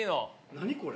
何これ？